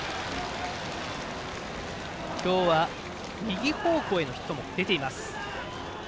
今日は、右方向へのヒットも出ています。